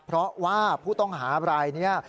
เพราะว่าผู้ต้องหาบรายนี้